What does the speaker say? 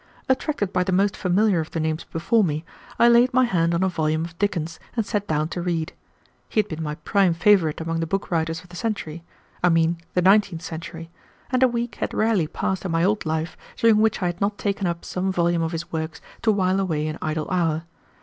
Attracted by the most familiar of the names before me, I laid my hand on a volume of Dickens, and sat down to read. He had been my prime favorite among the bookwriters of the century, I mean the nineteenth century, and a week had rarely passed in my old life during which I had not taken up some volume of his works to while away an idle hour.